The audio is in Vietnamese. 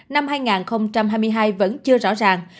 năm hai nghìn hai mươi hai vẫn chưa rõ ràng